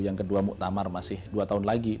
yang kedua muktamar masih dua tahun lagi